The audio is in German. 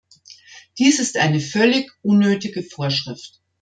Dies ist eine völlig unnötige Vorschrift.